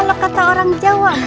kalau kata orang jawa